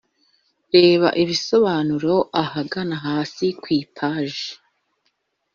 Reba ibisobanuro ahagana hasi ku ipaji.